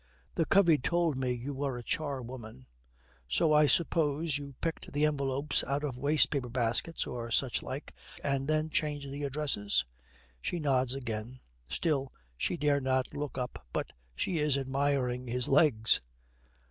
'The covey told me you were a charwoman; so I suppose you picked the envelopes out of waste paper baskets, or such like, and then changed the addresses?' She nods again; still she dare not look up, but she is admiring his legs.